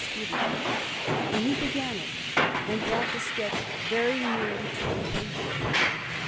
Spirito; and he began it, and brought the sketch very nearly to completion.